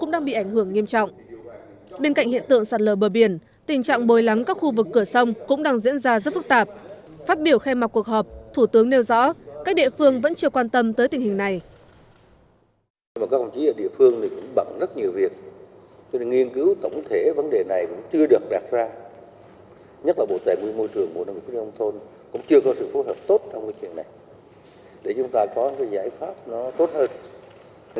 các công chí ở địa phương cũng bận rất nhiều việc nghiên cứu tổng thể vấn đề này cũng chưa được đạt ra nhất là bộ tài nguyên môi trường bộ tài nguyên thông thôn cũng chưa có sự phối hợp tốt trong chuyện này để chúng ta có giải pháp tốt hơn